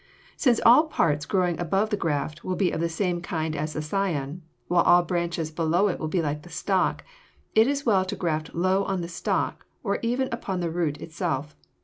Since all parts growing above the graft will be of the same kind as the scion, while all branches below it will be like the stock, it is well to graft low on the stock or even upon the root itself.